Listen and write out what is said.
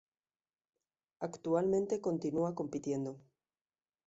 Actualmente continúa compitiendo.